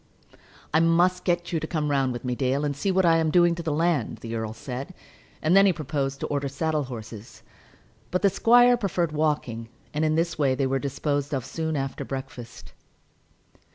"I must get you to come round with me, Dale, and see what I am doing to the land," the earl said. And then he proposed to order saddle horses. But the squire preferred walking, and in this way they were disposed of soon after breakfast.